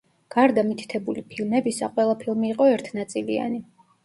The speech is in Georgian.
გარდა მითითებული ფილმებისა, ყველა ფილმი იყო ერთნაწილიანი.